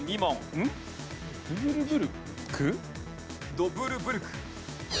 ドブゥルブルク？